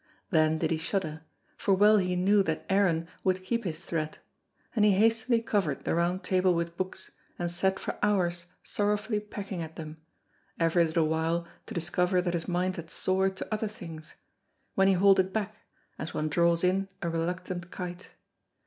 Then did he shudder, for well he knew that Aaron would keep his threat, and he hastily covered the round table with books and sat for hours sorrowfully pecking at them, every little while to discover that his mind had soared to other things, when he hauled it back, as one draws in a reluctant kite.